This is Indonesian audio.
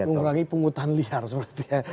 mengurangi penghutan liar sepertinya